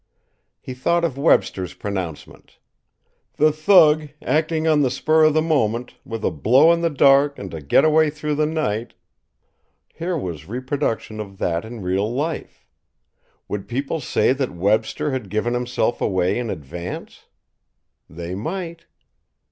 He thought of Webster's pronouncement: "The thug, acting on the spur of the moment, with a blow in the dark and a getaway through the night " Here was reproduction of that in real life. Would people say that Webster had given himself away in advance? They might.